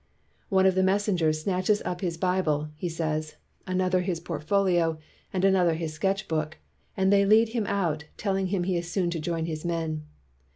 "One of the messengers snatches up his Bible," he says, "another his portfolio, and another his sketch book ; and they lead him out, telling him he is soon to join his men."